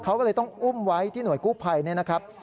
เขาก็เลยต้องอุ้มไว้ที่หน่วยกู้ภัยเนี่ยนะครับ